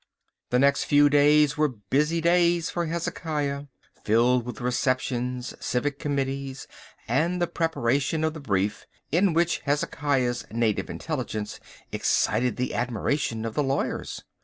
The next few days were busy days for Hezekiah. Filled with receptions, civic committees, and the preparation of the brief, in which Hezekiah's native intelligence excited the admiration of the lawyers.